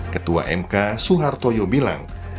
ketua mk suhartoyo bilang